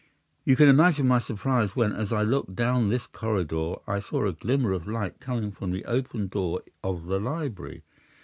You can imagine my surprise when, as I looked down this corridor, I saw a glimmer of light coming from the open door of the library.